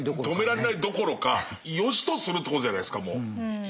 止められないどころかよしとするということじゃないですかもう。